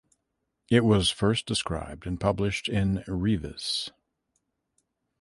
It was first described and published in Revis.